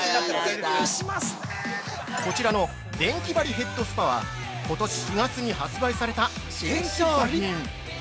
◆こちらの「電気針ヘッドスパ」は、今年４月に発売された新商品。